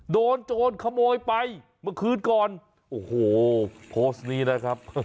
โจรขโมยไปเมื่อคืนก่อนโอ้โหโพสต์นี้นะครับ